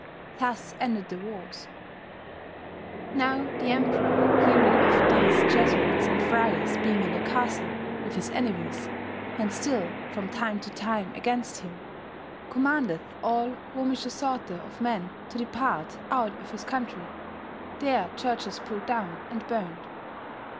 Thus ended the warres. Now the Emperour heering of thees Jessvets and friers being in the castell with his ennemis, and still from tym to tym agaynst hym, coumandeth all romische sorte of men to depart ovt of his countri thear churches pulld dooun, and burned.